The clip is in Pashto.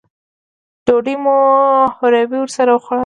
ډوډۍ مو هورې ورسره وخوړله.